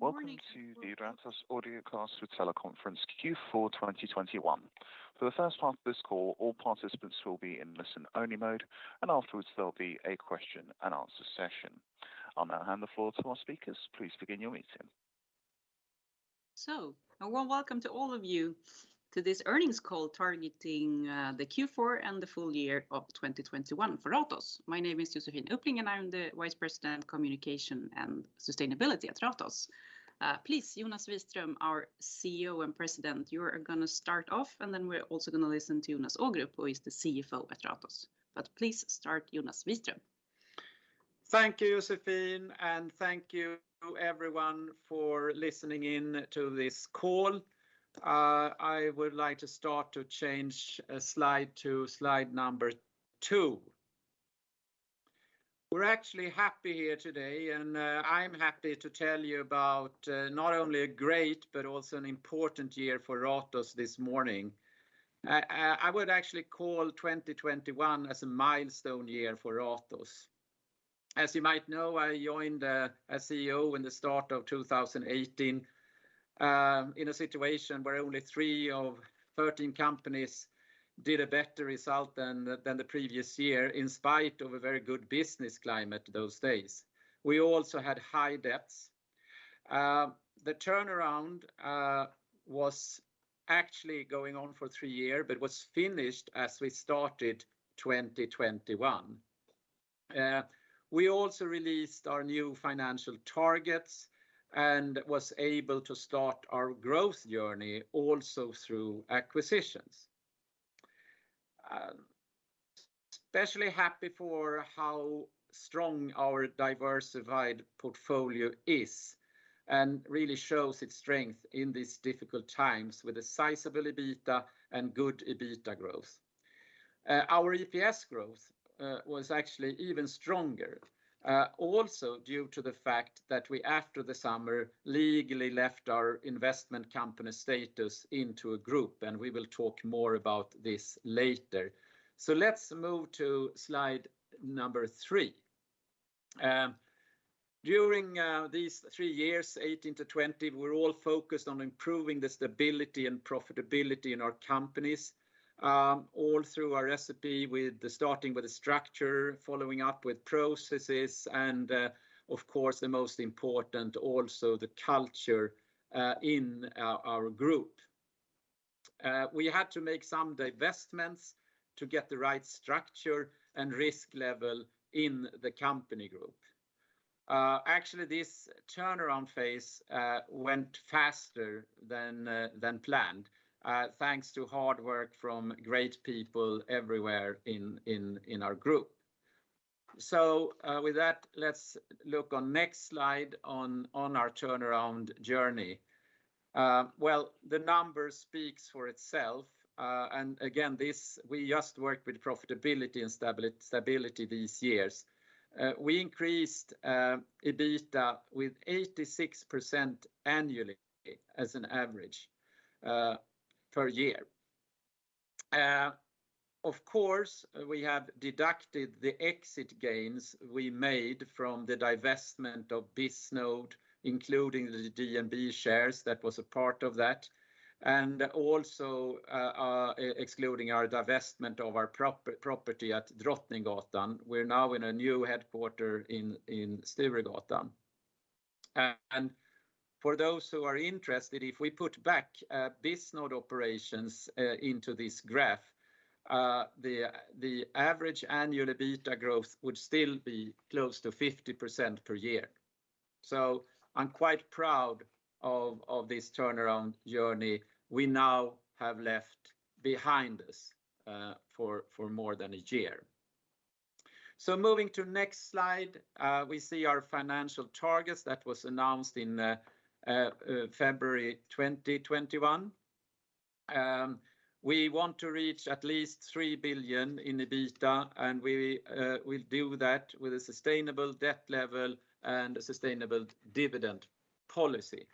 Welcome to the Ratos Audiocast for Teleconference Q4 2021. For the first part of this call, all participants will be in listen-only mode, and afterwards there'll be a question and answer session. I'll now hand the floor to our speakers. Please begin your meeting. A warm welcome to all of you to this earnings call targeting the Q4 and the full year of 2021 for Ratos. My name is Josefine Uppling, and I'm the Vice President of Communication and Sustainability at Ratos. Please, Jonas Wiström, our CEO and President, you are gonna start off, and then we're also gonna listen to Jonas Ågrup who is the CFO at Ratos. Please start, Jonas Wiström. Thank you, Josefine, and thank you to everyone for listening in to this call. I would like to change to slide number two. We're actually happy here today, and I'm happy to tell you about not only a great but also an important year for Ratos this morning. I would actually call 2021 as a milestone year for Ratos. As you might know, I joined as CEO in the start of 2018 in a situation where only three of 13 companies did a better result than the previous year in spite of a very good business climate those days. We also had high debts. The turnaround was actually going on for three year but was finished as we started 2021. We also released our new financial targets and was able to start our growth journey also through acquisitions. Especially happy for how strong our diversified portfolio is and really shows its strength in these difficult times with a sizable EBITA and good EBITA growth. Our EPS growth was actually even stronger also due to the fact that we after the summer legally left our investment company status into a group, and we will talk more about this later. Let's move to slide number three. During these three years, 2018-2020, we're all focused on improving the stability and profitability in our companies all through our recipe starting with the structure, following up with processes and, of course the most important also the culture in our group. We had to make some divestments to get the right structure and risk level in the company group. Actually this turnaround phase went faster than planned, thanks to hard work from great people everywhere in our group. With that, let's look on next slide on our turnaround journey. Well, the numbers speaks for itself. Again, we just worked with profitability and stability these years. We increased EBITA with 86% annually as an average per year. Of course, we have deducted the exit gains we made from the divestment of Bisnode, including the D&B, Dun & Bradstreet, shares that was a part of that, and also excluding our divestment of our property at Drottninggatan. We're now in a new headquarters in Sturegatan. For those who are interested, if we put back Bisnode operations into this graph, the average annual EBITA growth would still be close to 50% per year. I'm quite proud of this turnaround journey we now have left behind us for more than a year. Moving to next slide, we see our financial targets that was announced in February 2021. We want to reach at least 3 billion in EBITA, and we will do that with a sustainable debt level and a sustainable dividend policy.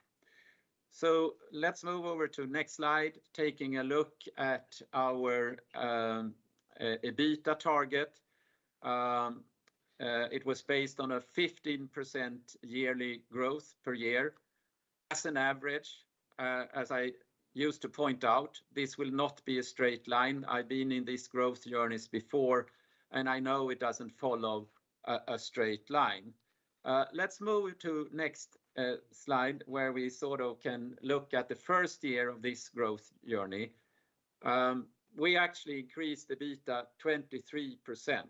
Let's move over to next slide, taking a look at our EBITA target. It was based on a 15% yearly growth per year as an average. As I used to point out, this will not be a straight line. I've been in these growth journeys before, and I know it doesn't follow a straight line. Let's move to next slide where we sort of can look at the first year of this growth journey. We actually increased EBITA 23%.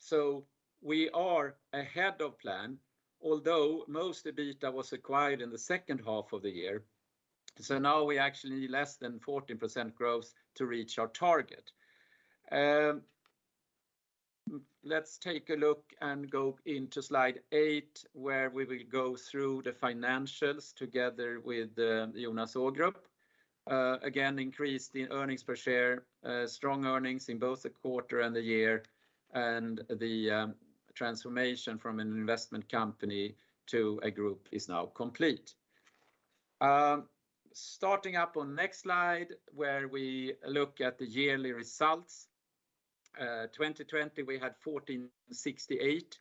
So we are ahead of plan, although most EBITA was acquired in the second half of the year. Now we actually less than 14% growth to reach our target. Let's take a look and go into slide eight, where we will go through the financials together with Jonas Ågrup. Again, increase the earnings per share, strong earnings in both the quarter and the year, and the transformation from an investment company to a group is now complete. Starting up on next slide where we look at the yearly results. 2020 we had 1,468.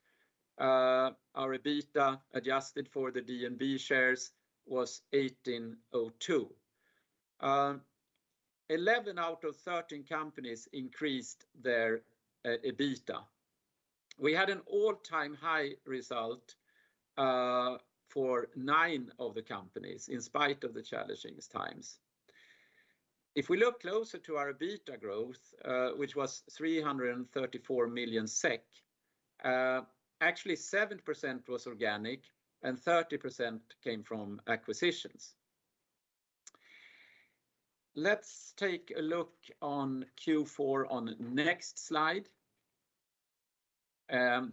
Our EBITA adjusted for the D&B shares was 1,802. Eleven out of 13 companies increased their EBITA. We had an all-time high result for nine of the companies in spite of the challenging times. If we look closer to our EBITA growth, which was 334 million SEK, actually 7% was organic and 30% came from acquisitions. Let's take a look on Q4 on next slide. Our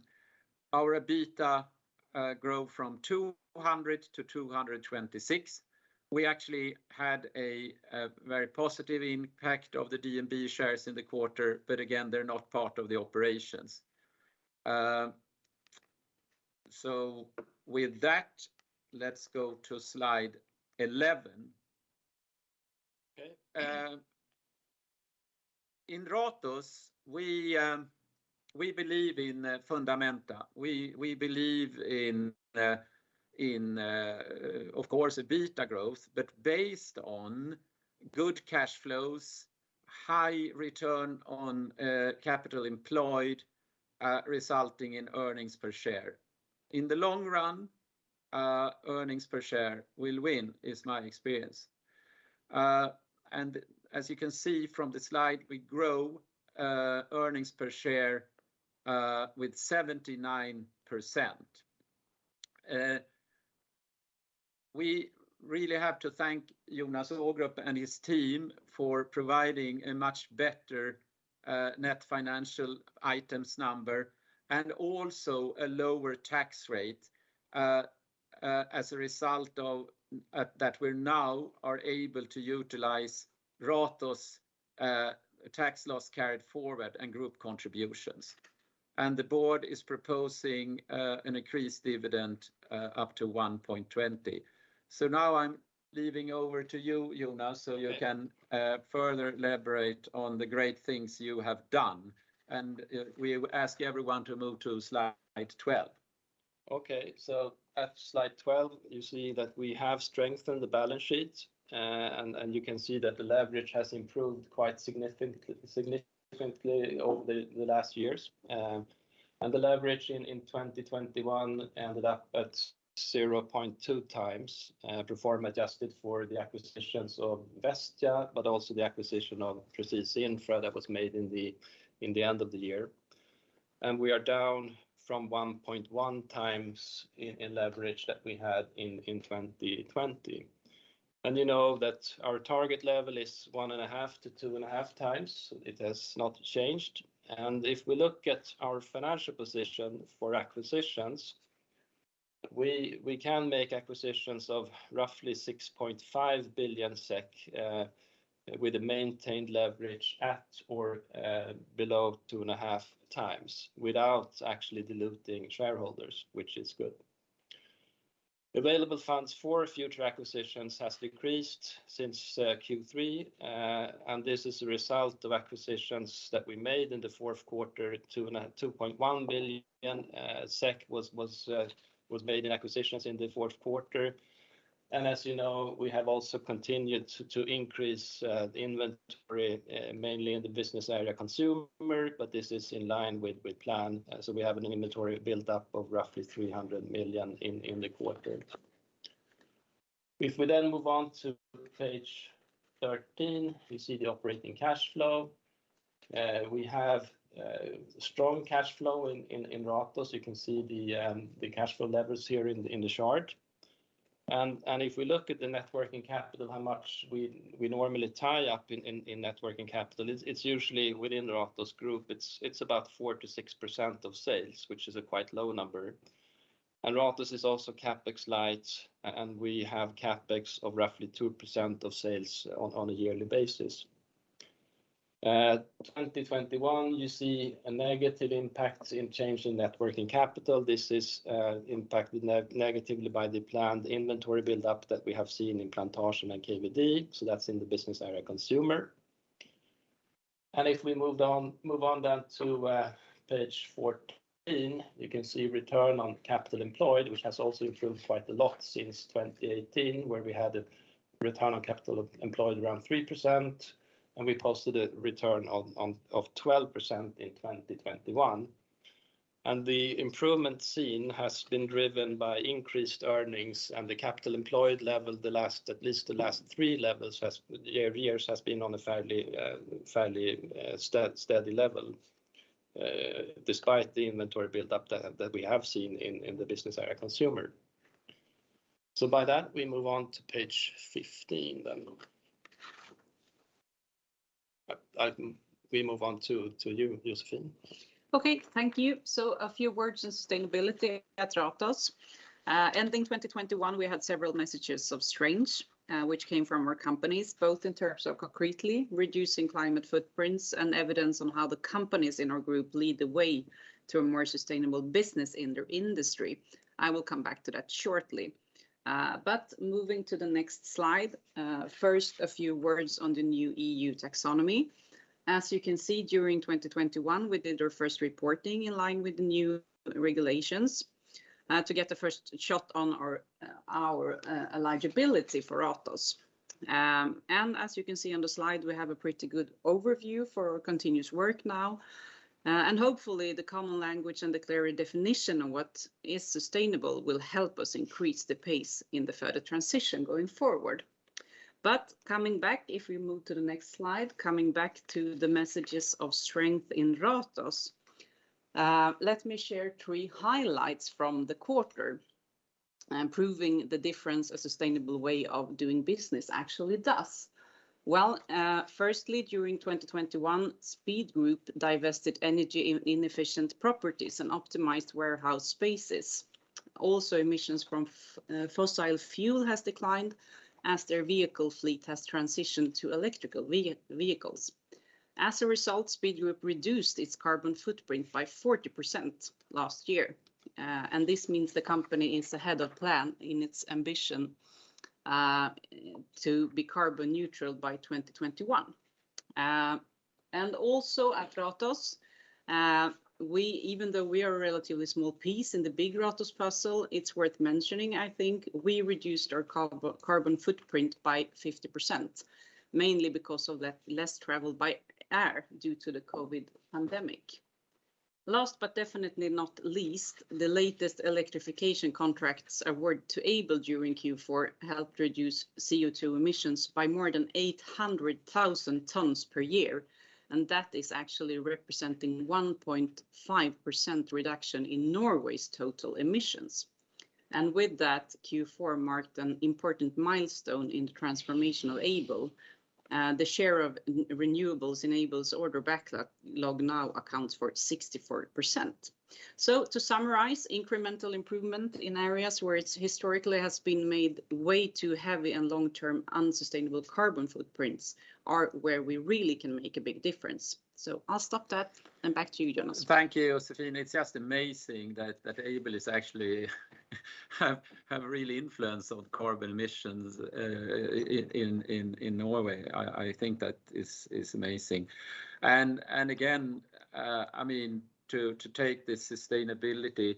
EBITA grow from 200-226. We actually had a very positive impact of the D&B shares in the quarter, but again, they're not part of the operations. With that, let's go to slide 11. Okay. In Ratos we believe in fundamentals. We believe in, of course, EBITA growth, but based on good cash flows, high return on capital employed, resulting in earnings per share. In the long run, earnings per share will win is my experience. As you can see from the slide, we grow earnings per share with 79%. We really have to thank Jonas Ågrup and his team for providing a much better net financial items number, and also a lower tax rate, as a result of that we now are able to utilize Ratos' tax loss carried forward and group contributions. The Board is proposing an increased dividend up to 1.20. Now I'm handing over to you, Jonas. Okay So you can further elaborate on the great things you have done. We ask everyone to move to slide 12. Okay. At slide 12 you see that we have strengthened the balance sheet, and you can see that the leverage has improved quite significantly over the last years. The leverage in 2021 ended up at 0.2x pro forma adjusted for the acquisitions of Vestia but also the acquisition of Presis Infra that was made in the end of the year. We are down from 1.1x in leverage that we had in 2020. You know that our target level is 1.5x-2.5x. It has not changed. If we look at our financial position for acquisitions, we can make acquisitions of roughly 6.5 billion SEK with a maintained leverage at or below 2.5x without actually diluting shareholders, which is good. Available funds for future acquisitions has decreased since Q3. This is a result of acquisitions that we made in the fourth quarter, 2.1 billion SEK was made in acquisitions in the fourth quarter. As you know, we have also continued to increase the inventory mainly in the business area consumer, but this is in line with plan. We have an inventory built up of roughly 300 million in the quarter. If we then move on to page 13, we see the operating cash flow. We have strong cash flow in Ratos. You can see the cash flow levels here in the chart. If we look at the net working capital, how much we normally tie up in net working capital, it's usually within Ratos group. It's about 4%-6% of sales, which is a quite low number. Ratos is also CapEx light, and we have CapEx of roughly 2% of sales on a yearly basis. In 2021, you see a negative impact in change in net working capital. This is impacted negatively by the planned inventory build-up that we have seen in Plantasjen and KVD, so that's in the business area Consumer. If we move on then to page 14, you can see return on capital employed, which has also improved quite a lot since 2018, where we had a return on capital employed around 3%, and we posted a return on of 12% in 2021. The improvement seen has been driven by increased earnings and the capital employed level the last at least the last three years has been on a fairly steady level despite the inventory build-up that we have seen in the business area consumer. By that, we move on to page 15 then. We move on to you, Josefine. Okay. Thank you. A few words on sustainability at Ratos. Ending 2021 we had several messages of strength, which came from our companies, both in terms of concretely reducing climate footprints and evidence on how the companies in our group lead the way to a more sustainable business in their industry. I will come back to that shortly. Moving to the next slide, first a few words on the new EU Taxonomy. As you can see, during 2021, we did our first reporting in line with the new regulations, to get the first shot on our eligibility for Ratos. As you can see on the slide, we have a pretty good overview for our continuous work now. Hopefully the common language and the clearer definition on what is sustainable will help us increase the pace in the further transition going forward. Coming back, if we move to the next slide, coming back to the messages of strength in Ratos, let me share three highlights from the quarter, proving the difference a sustainable way of doing business actually does. Well, firstly, during 2021, Speed Group divested energy inefficient properties and optimized warehouse spaces. Also, emissions from fossil fuel has declined as their vehicle fleet has transitioned to electrical vehicles. As a result, Speed Group reduced its carbon footprint by 40% last year. This means the company is ahead of plan in its ambition to be carbon neutral by 2021. Also at Ratos, even though we are a relatively small piece in the big Ratos puzzle, it's worth mentioning, I think, we reduced our carbon footprint by 50%, mainly because of the less travel by air due to the COVID pandemic. Last but definitely not least, the latest electrification contracts award to Aibel during Q4 helped reduce CO2 emissions by more than 800,000 tons per year, and that is actually representing 1.5% reduction in Norway's total emissions. With that, Q4 marked an important milestone in the transformational Aibel. The share of renewables in Aibel's order backlog now accounts for 64%. To summarize, incremental improvement in areas where it historically has been made way too heavy and long-term unsustainable carbon footprints are where we really can make a big difference. I'll stop that, and back to you, Jonas. Thank you, Josefine. It's just amazing that Aibel actually has a real influence on carbon emissions in Norway. I think that is amazing. Again, I mean, to take this sustainability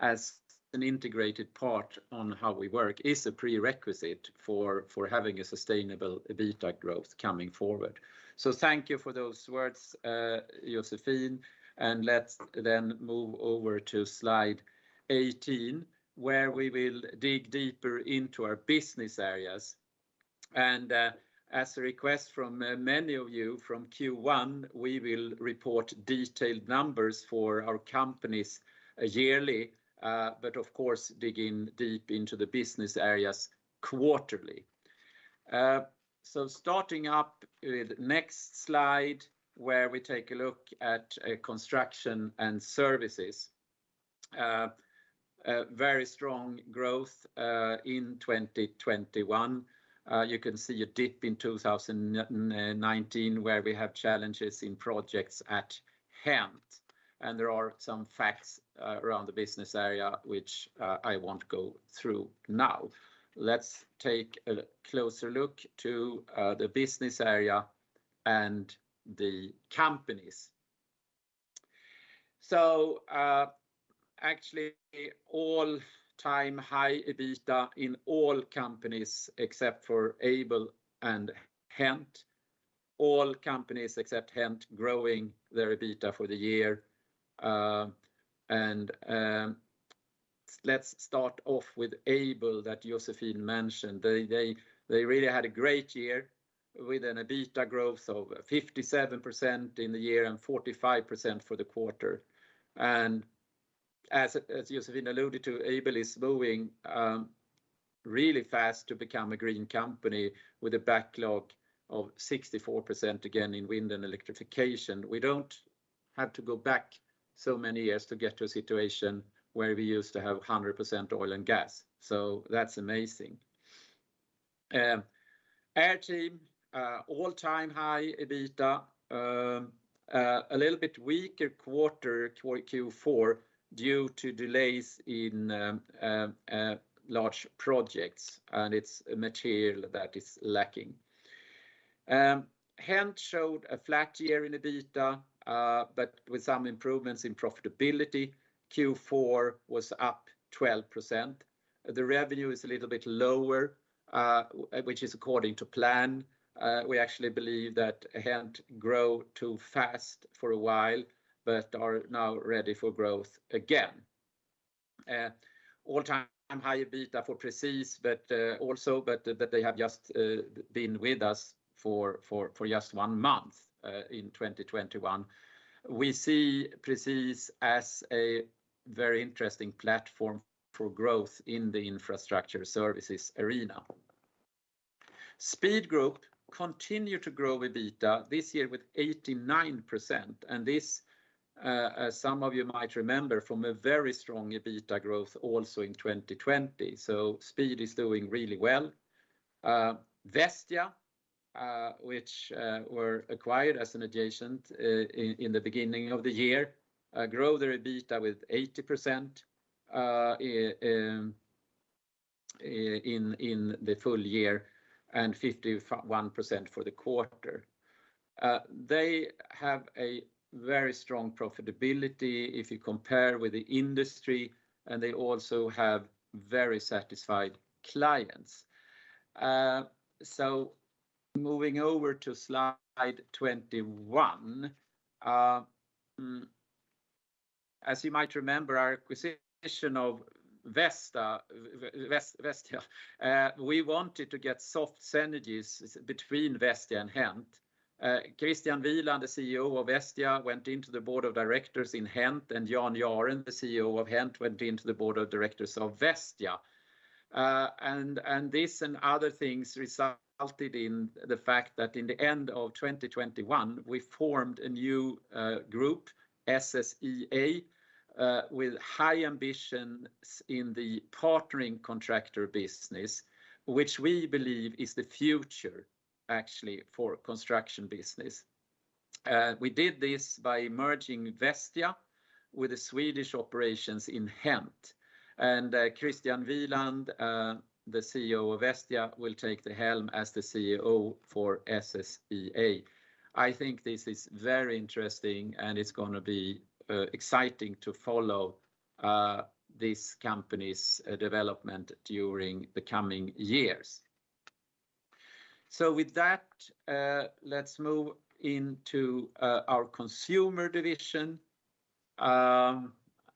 as an integrated part of how we work is a prerequisite for having a sustainable EBITA growth coming forward. Thank you for those words, Josefine, and let's then move over to slide 18, where we will dig deeper into our business areas. As a request from many of you from Q1, we will report detailed numbers for our companies yearly, but of course dig in deep into the business areas quarterly. Starting up with next slide, where we take a look at construction and services. Very strong growth in 2021. You can see a dip in 2019, where we have challenges in projects at HENT. There are some facts around the business area which I won't go through now. Let's take a closer look to the business area and the companies. Actually all-time high EBITA in all companies except for Aibel and HENT. All companies except HENT growing their EBITA for the year. Let's start off with Aibel that Josefine mentioned. They really had a great year with an EBITA growth of 57% in the year and 45% for the quarter. As Josefine alluded to, Aibel is moving really fast to become a green company with a backlog of 64%, again, in wind and electrification. We don't have to go back so many years to get to a situation where we used to have 100% oil and gas. That's amazing. Airteam all-time high EBITA. A little bit weaker quarter for Q4 due to delays in large projects, and its material that is lacking. HENT showed a flat year in EBITA, but with some improvements in profitability. Q4 was up 12%. The revenue is a little bit lower, which is according to plan. We actually believe that HENT grow too fast for a while, but are now ready for growth again. All-time high EBITA for Presis Infra, but they have just been with us for just one month in 2021. We see Presis Infra as a very interesting platform for growth in the infrastructure services arena. Speed Group continue to grow EBITA this year with 89%. This, some of you might remember, from a very strong EBITA growth also in 2020. Speed is doing really well. Vestia, which were acquired as an add-on in the beginning of the year, grow their EBITA with 80% in the full year and 51% for the quarter. They have a very strong profitability if you compare with the industry, and they also have very satisfied clients. Moving over to slide 21. As you might remember, our acquisition of Vestia, we wanted to get cost synergies between Vestia and HENT. Christian Wieland, the CEO of Vestia, went into the Board of Directors in HENT, and Jan Jahren, the CEO of HENT, went into the Board of Directors of Vestia. This and other things resulted in the fact that in the end of 2021. We formed a new group, SSEA, with high ambitions in the partnering contractor business, which we believe is the future actually for construction business. We did this by merging Vestia with the Swedish operations in HENT. Christian Wieland, the CEO of Vestia, will take the helm as the CEO for SSEA. I think this is very interesting, and it's gonna be exciting to follow this company's development during the coming years. With that, let's move into our consumer division,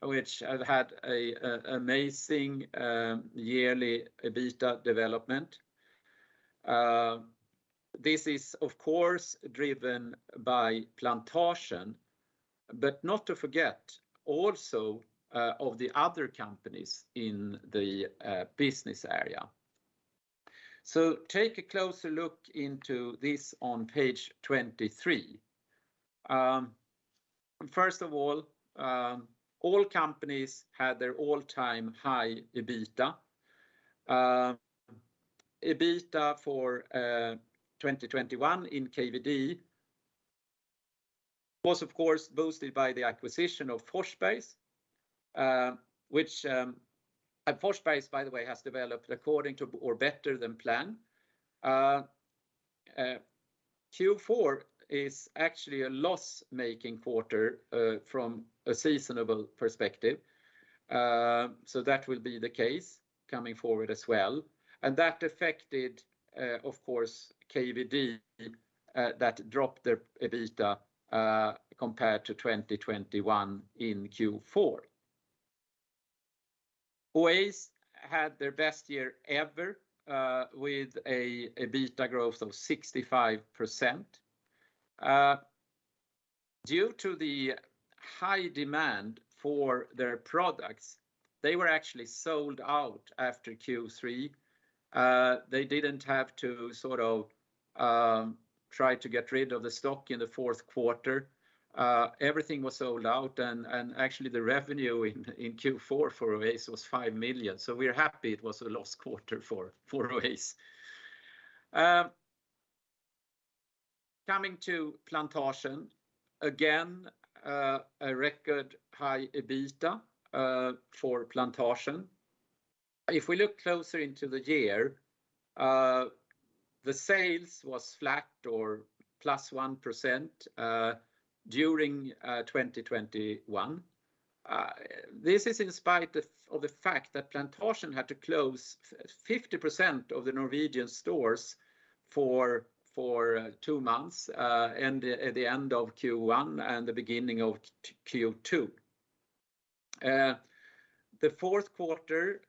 which have had a amazing yearly EBITA development. This is of course driven by Plantasjen, but not to forget also of the other companies in the business area. Take a closer look into this on page 23. First of all companies had their all-time high EBITA. EBITA for 2021 in KVD was of course boosted by the acquisition of Forsbergs. Forsbergs, by the way, has developed according to or better than plan. Q4 is actually a loss-making quarter from a seasonal perspective, so that will be the case coming forward as well. That affected, of course, KVD that dropped their EBITA compared to 2021 in Q4. Oase had their best year ever with a EBITA growth of 65%. Due to the high demand for their products, they were actually sold out after Q3. They didn't have to sort of try to get rid of the stock in the fourth quarter. Everything was sold out and actually the revenue in Q4 for Oase was 5 million. We're happy it was a loss quarter for Oase. Coming to Plantasjen, again, a record high EBITA for Plantasjen. If we look closer into the year, the sales was flat or +1% during 2021. This is in spite of the fact that Plantasjen had to close 50% of the Norwegian stores for two months, and at the end of Q1 and the beginning of Q2. The fourth quarter,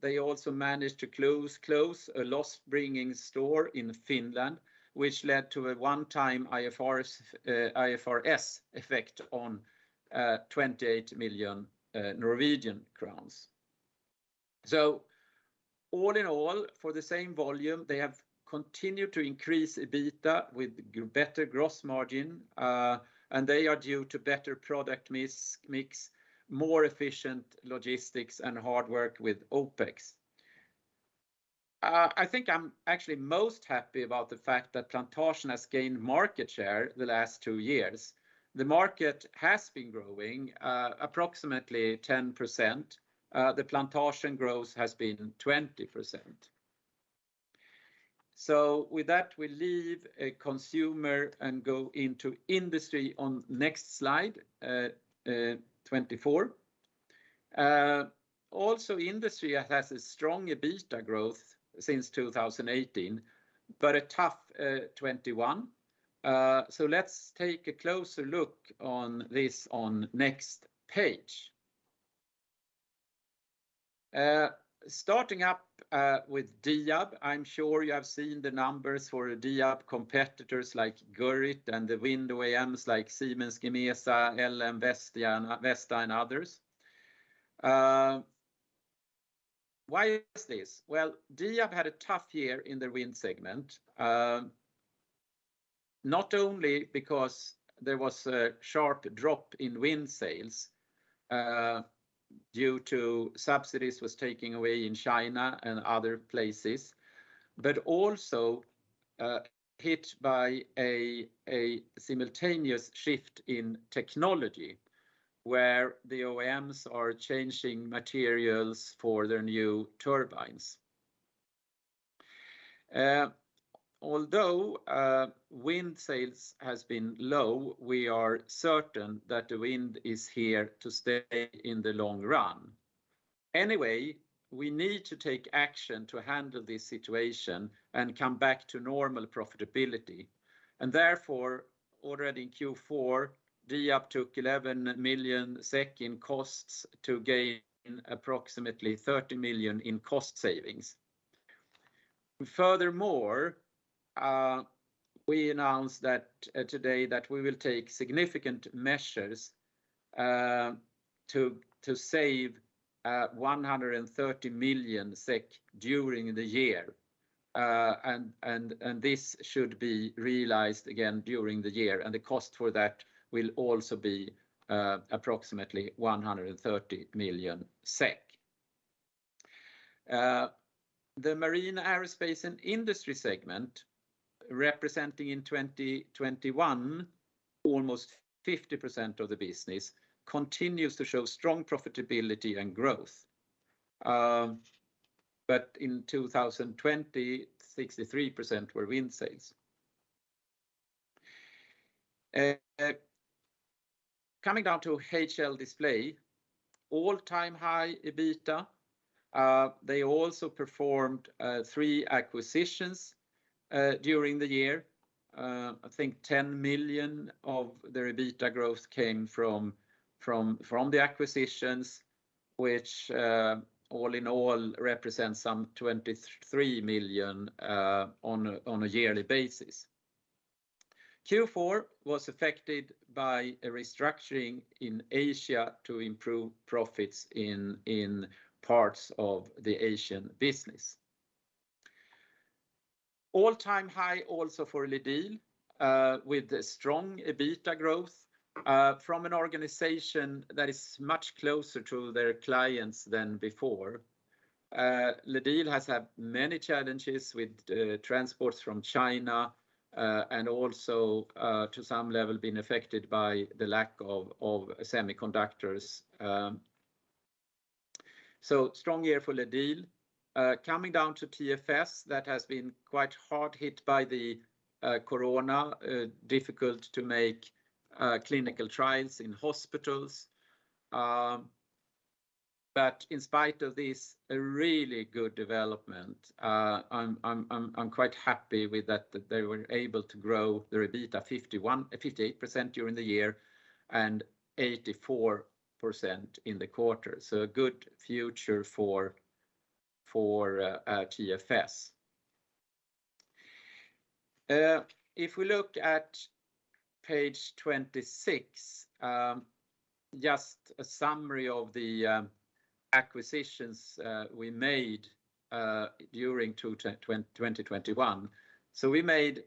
they also managed to close a loss-bringing store in Finland, which led to a one-time IFRS effect on NOK 28 million. All in all, for the same volume, they have continued to increase EBITA with better gross margin, and they are due to better product mix, more efficient logistics, and hard work with OpEx. I think I'm actually most happy about the fact that Plantasjen has gained market share the last two years. The market has been growing approximately 10%. The Plantasjen growth has been 20%. With that, we leave consumer and go into industry on next slide 24. Also industry has a strong EBITA growth since 2018, but a tough 2021. Let's take a closer look at this on next page. Starting with Diab, I'm sure you have seen the numbers for Diab competitors like Gurit and the wind OEMs like Siemens Gamesa, LM, Vestas, and others. Why is this? Well, Diab had a tough year in the Wind segment, not only because there was a sharp drop in wind sales due to subsidies being taken away in China and other places, but also hit by a simultaneous shift in technology, where the OEMs are changing materials for their new turbines. Although wind sales has been low, we are certain that the wind is here to stay in the long run. Anyway, we need to take action to handle this situation and come back to normal profitability. Therefore, already in Q4, Diab took 11 million SEK in costs to gain approximately 30 million in cost savings. Furthermore, we announced today that we will take significant measures to save 130 million SEK during the year. This should be realized again during the year, and the cost for that will also be approximately SEK 130 million. The Marine, Aerospace and Industry segment, representing in 2021 almost 50% of the business, continues to show strong profitability and growth. In 2020, 63% were wind sales. Coming down to HL Display, all-time high EBITA. They also performed three acquisitions during the year. I think 10 million of their EBITA growth came from the acquisitions, which all-in-all represents some 23 million on a yearly basis. Q4 was affected by a restructuring in Asia to improve profits in parts of the Asian business. All-time high also for LEDiL with a strong EBITA growth from an organization that is much closer to their clients than before. LEDiL has had many challenges with transports from China and also to some level been affected by the lack of semiconductors. So strong year for LEDiL. Coming down to TFS, that has been quite hard hit by the corona, difficult to make clinical trials in hospitals. In spite of this, a really good development. I'm quite happy with that that they were able to grow their EBITA 58% during the year and 84% in the quarter. A good future for TFS. If we look at page 26, just a summary of the acquisitions we made during 2021. We made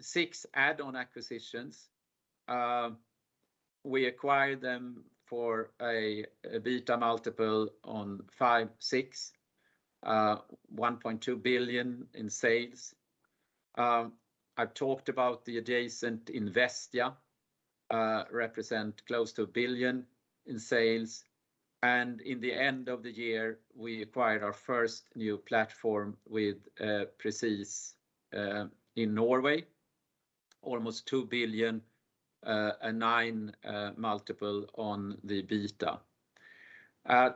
six add-on acquisitions. We acquired them for an EBITA of 5x-6x, SEK 1.2 billion in sales. I've talked about the adjacent Vestia, which represents close to 1 billion in sales. In the end of the year, we acquired our first new platform with Presis Infra in Norway, almost 2 billion, a 9x on the EBITA.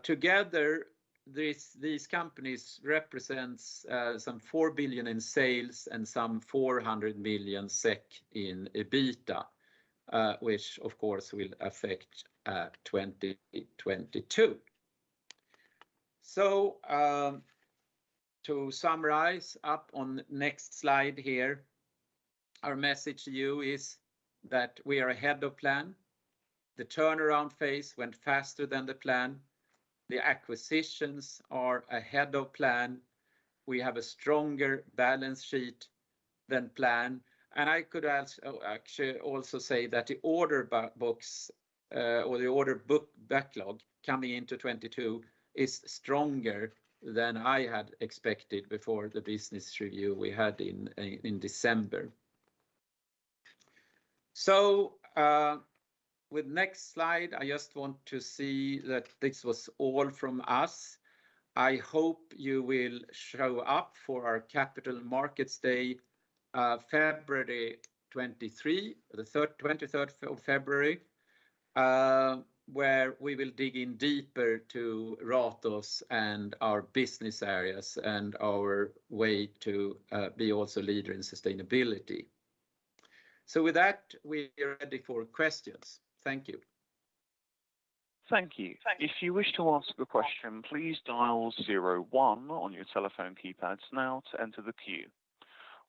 Together, these companies represent some 4 billion in sales and some 400 million SEK in EBITA, which of course will affect 2022. To summarize up on next slide here, our message to you is that we are ahead of plan. The turnaround phase went faster than the plan. The acquisitions are ahead of plan. We have a stronger balance sheet than planned. I could actually also say that the order book, or the order book backlog coming into 2022 is stronger than I had expected before the business review we had in December. With next slide, I just want to say that this was all from us. I hope you will show up for our Capital Markets Day, February 23, where we will dig in deeper to Ratos and our business areas and our way to be also leader in sustainability. With that, we are ready for questions. Thank you. Thank you. If you wish to ask a question, please dial zero one on your telephone keypads now to enter the queue.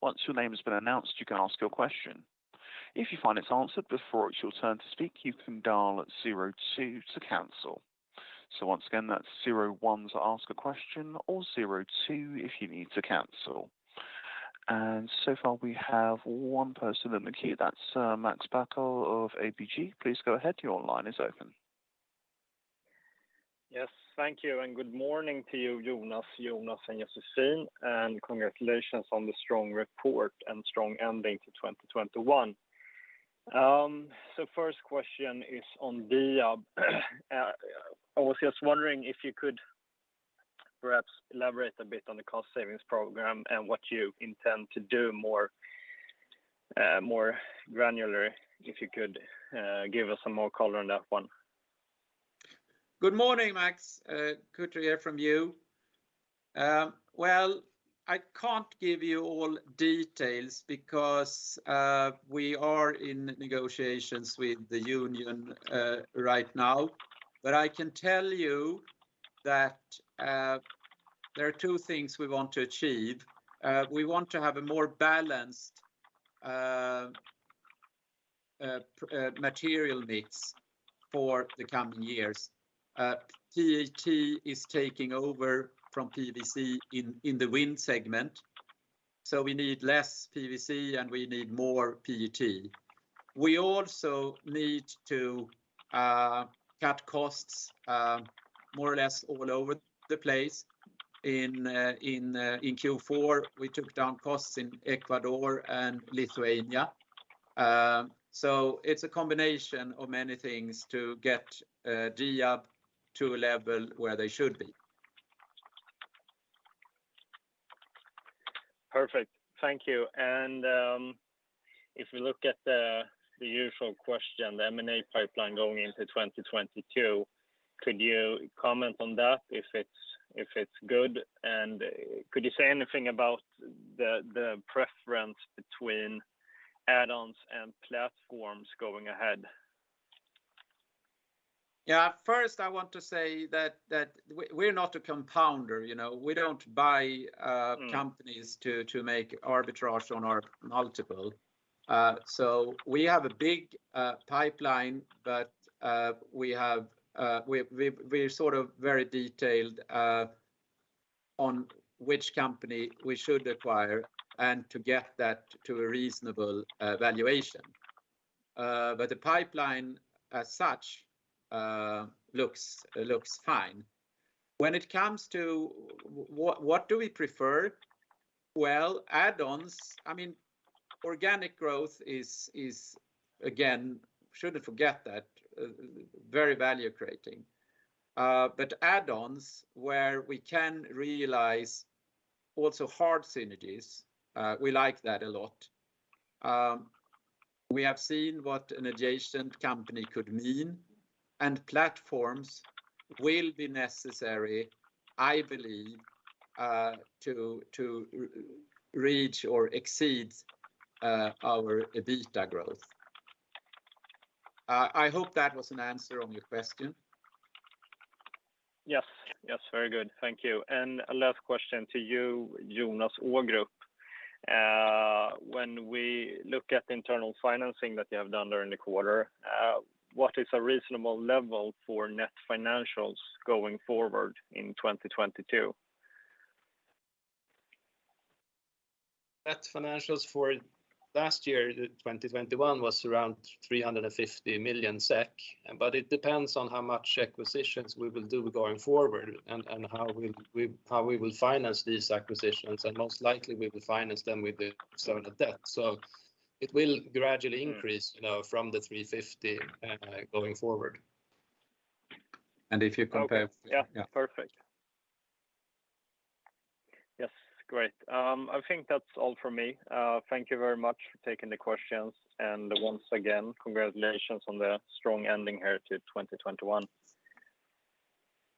Once your name has been announced, you can ask your question. If you find it's answered before it's your turn to speak, you can dial zero two to cancel. So once again, that's zero one to ask a question or zero two if you need to cancel. So far, we have one person in the queue. That's Max Scheffel of ABG. Please go ahead. Your line is open. Yes. Thank you and good morning to you, Jonas, Jonas and Josefine, and congratulations on the strong report and strong ending to 2021. First question is on Diab. I was just wondering if you could perhaps elaborate a bit on the cost savings program and what you intend to do more, more granular if you could, give us some more color on that one? Good morning, Max. Good to hear from you. Well, I can't give you all details because we are in negotiations with the union right now. I can tell you that there are two things we want to achieve. We want to have a more balanced material mix for the coming years. PET is taking over from PVC in the Wind segment, so we need less PVC and we need more PET. We also need to cut costs more or less all over the place. In Q4 we took down costs in Ecuador and Lithuania. It's a combination of many things to get Diab to a level where they should be. Perfect. Thank you. If we look at the usual question, the M&A pipeline going into 2022, could you comment on that if it's good? Could you say anything about the preference between add-ons and platforms going ahead? Yeah. First I want to say that we're not a compounder, you know. We don't buy companies to make arbitrage on our multiple. We have a big pipeline, but we're sort of very detailed on which company we should acquire and to get that to a reasonable valuation. The pipeline as such looks fine. When it comes to what do we prefer? Well, add-ons, I mean, organic growth is again, shouldn't forget that, very value creating. Add-ons where we can realize also hard synergies, we like that a lot. We have seen what an adjacent company could mean, and platforms will be necessary, I believe, to reach or exceed our EBITA growth. I hope that was an answer on your question. Yes. Very good. Thank you. A last question to you, Jonas Ågrup. When we look at internal financing that you have done during the quarter, what is a reasonable level for net financials going forward in 2022? Net financials for last year, 2021, was around 350 million SEK. It depends on how much acquisitions we will do going forward and how we will finance these acquisitions, and most likely we will finance them with the sort of debt. It will gradually increase. You know, from the 350, going forward. If you compare. Okay. Yeah. Yeah. Perfect. Yes. Great. I think that's all from me. Thank you very much for taking the questions. Once again, congratulations on the strong ending here to 2021.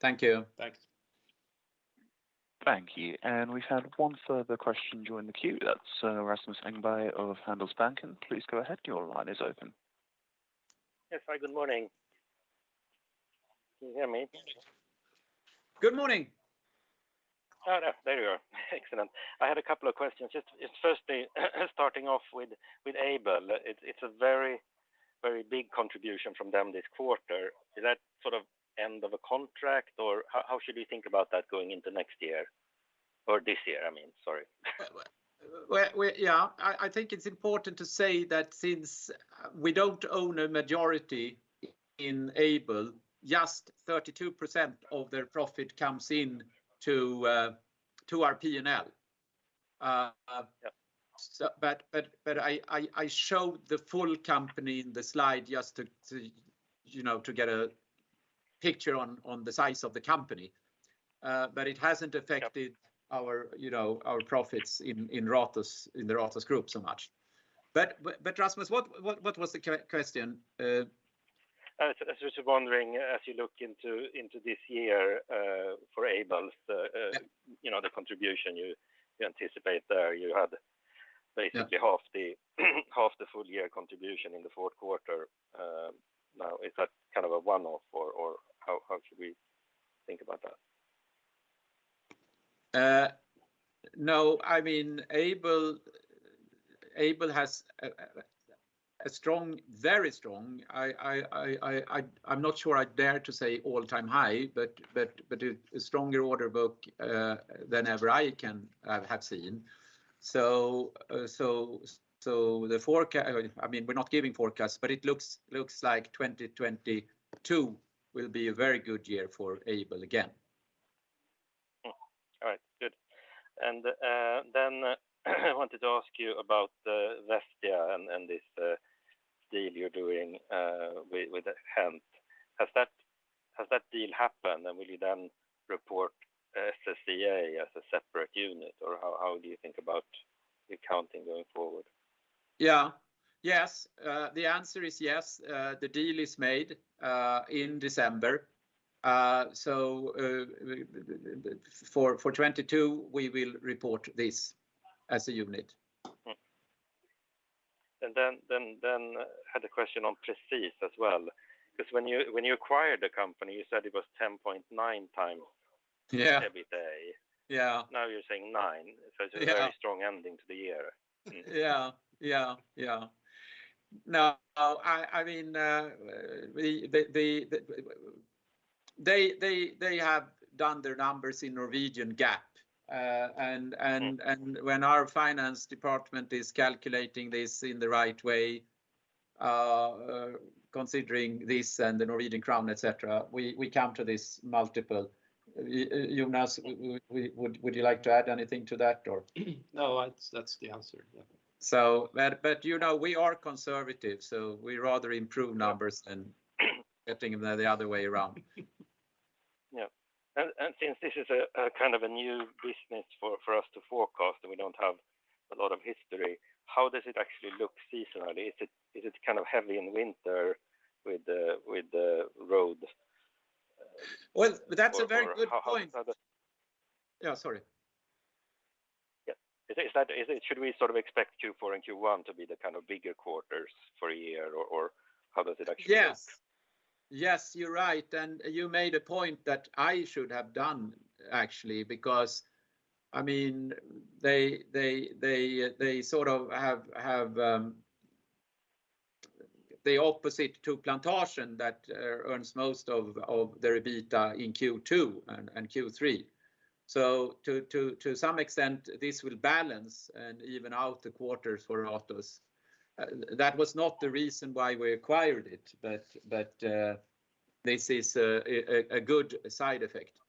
Thank you. Thanks. Thank you. We've had one further question join the queue. That's Rasmus Engberg of Handelsbanken. Please go ahead. Your line is open. Yes. Hi, good morning. Can you hear me? Good morning. Oh, there you are. Excellent. I had a couple of questions. Just firstly, starting off with Aibel. It's a very big contribution from them this quarter. Is that sort of end of a contract or how should we think about that going into next year, or this year I mean, sorry? Well, yeah, I think it's important to say that since we don't own a majority in Aibel, just 32% of their profit comes in to our P&L. I showed the full company in the slide just to you know to get a picture of the size of the company. It hasn't affected our, you know, our profits in the Ratos group so much. But Rasmus what was the question? I was just wondering as you look into this year for Aibel's. You know, the contribution you anticipate there. You had basically half the full year contribution in the fourth quarter. Now is that kind of a one-off or how should we think about that? No. I mean, Aibel has a very strong order book. I'm not sure I dare to say all-time high, but a stronger order book than ever I can have seen. I mean, we're not giving forecasts, but it looks like 2022 will be a very good year for Aibel again. Good. Then I wanted to ask you about the Vestia and this deal you're doing with HENT. Has that deal happened? Will you then report SSEA as a separate unit? Or how do you think about the accounting going forward? Yes. The answer is yes. The deal is made in December. For 2022 we will report this as a unit. I had a question on Presis Infra as well. Because when you acquired the company, you said it was 10.9x EBITA. Yeah Now you're saying 9x. Yeah. It's a very strong ending to the year. Yeah. No, I mean, they have done their numbers in Norwegian GAAP. When our finance department is calculating this in the right way, considering this and the Norwegian crown, et cetera, we come to this multiple. Jonas, would you like to add anything to that or? No, that's the answer. Yeah. You know we are conservative. So we rather improve numbers than getting them the other way around. Yeah. Since this is a kind of a new business for us to forecast and we don't have a lot of history, how does it actually look seasonally? Is it kind of heavy in winter with the road? Well, that's a very good point. Or how does that? Yeah, sorry. Yeah. Should we sort of expect Q4 and Q1 to be the kind of bigger quarters for a year? Or how does it actually look? Yes. Yes, you're right. You made a point that I should have done actually, because I mean, they sort of have the opposite to Plantasjen that earns most of their EBITA in Q2 and Q3. To some extent this will balance and even out the quarters for Ratos. That was not the reason why we acquired it, but this is a good side effect.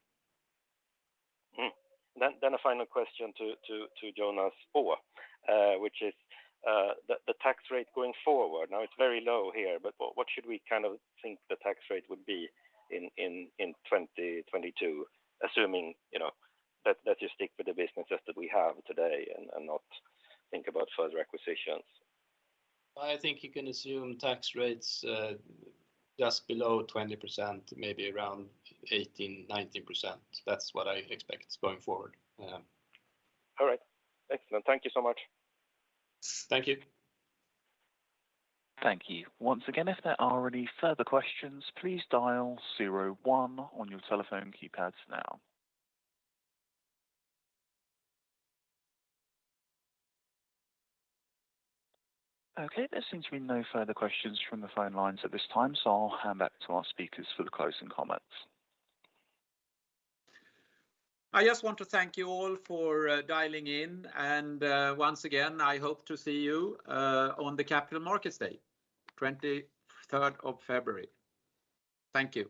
A final question to Jonas on which is the tax rate going forward. Now it's very low here, but what should we kind of think the tax rate would be in 2022, assuming you know that you stick with the businesses that we have today and not think about further acquisitions? I think you can assume tax rates just below 20%, maybe around 18%-19%. That's what I expect going forward. All right. Excellent. Thank you so much. Thank you. Thank you. Once again, if there are any further questions, please dial zero one on your telephone keypads now. Okay, there seems to be no further questions from the phone lines at this time, so I'll hand back to our speakers for the closing comments. I just want to thank you all for dialing in and, once again, I hope to see you on the Capital Markets Day, 23rd of February. Thank you.